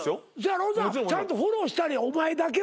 ちゃんとフォローしたれお前だけは。